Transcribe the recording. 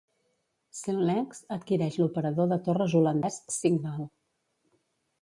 Cellnex adquireix l'operador de torres holandès Cignal.